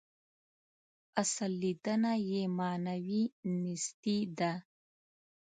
اصل لېدنه یې معنوي نیستي ده.